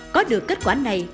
có được kết quả này